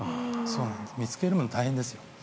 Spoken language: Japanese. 見つけるの大変です。